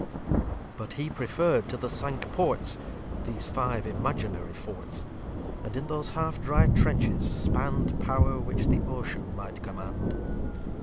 But he preferr'd to the Cinque Ports These five imaginary Forts: And, in those half dry Trenches, spann'd Pow'r which the Ocean might command.